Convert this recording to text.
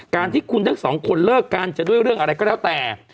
การที่คุณทั้งสองคนเลิกกันจะด้วยเรื่องอะไรก็แล้วแต่